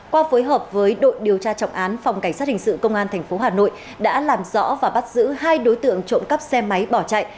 qua phối hợp với đội điều tra trọng án phòng cảnh sát hình sự công an tp hà nội đã làm rõ và bắt giữ hai đối tượng trộm cắp xe máy bỏ chạy